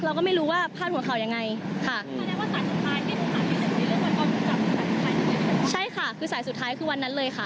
เราก็ไม่รู้ว่าพาดหัวข่าวยังไงค่ะคือสายสุดท้ายคือวันนั้นเลยค่ะ